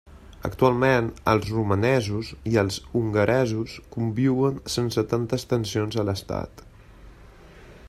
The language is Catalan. Actualment, els romanesos i els hongaresos conviuen sense tantes tensions a l'estat.